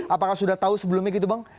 apakah sudah tahu sebelumnya gitu bang